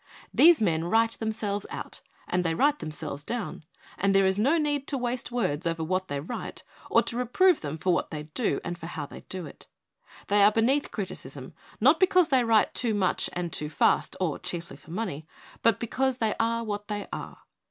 These men write themselves out and they write them selves down ; and there is no need to waste words over what they write or to reprove them for what they do and for how they do it. They are beneath criticism, not because they write too much and too fast or chiefly for money, but because they are what they are.